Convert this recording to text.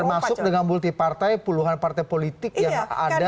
termasuk dengan multipartai puluhan partai politik yang ada